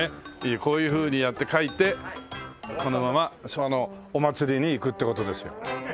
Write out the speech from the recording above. こういうふうにやって書いてこのままそのお祭りに行くって事ですよ。